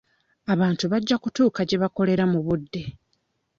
Abantu bajja kutuuka gye bakolera mu budde.